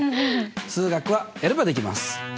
数学はやればできます！